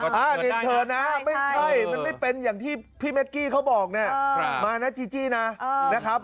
ก็จะเชิญนะไม่เป็นอย่างที่พี่แม็กกี้เขาบอกเนี่ยมานะจีจี้นะนะครับ